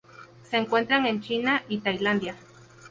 Se encuentran en China y Tailandia.